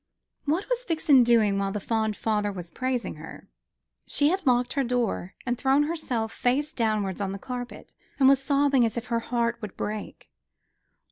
What was Vixen doing while the fond father was praising her? She had locked her door, and thrown herself face downwards on the carpet, and was sobbing as if her heart would break.